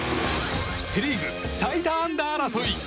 セ・リーグ最多安打争い。